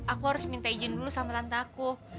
aku harus minta izin dulu sama tantaku